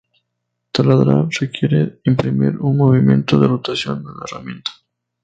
Taladrar requiere imprimir un movimiento de rotación a la herramienta.